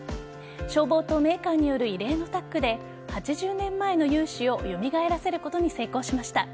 消防とメーカーによる異例のタッグで８０年前の雄姿を蘇らせることに成功しました。